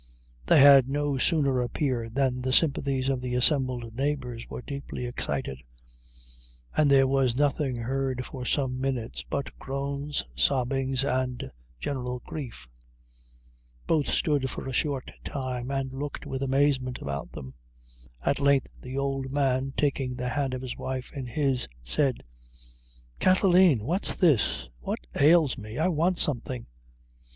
They had no sooner appeared, than the sympathies of the assembled neighbors were deeply excited, and there was nothing heard for some minutes, but groans, sobbings, and general grief. Both stood for a short time, and looked with amazement about them. At length, the old man, taking the hand of his wife in his, said "Kathleen, what's this? what ails me? I want something."